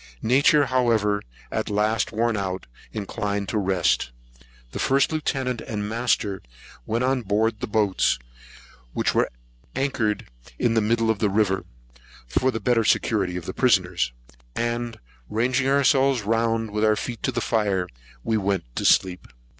Nature, however, at last worn out, inclined to rest. The First Lieutenant and Master went on board of the boats, which were at anchor in the middle of the river, for the better security of the prisoners; and, ranging ourselves round, with our feet to the fire, went to sleep.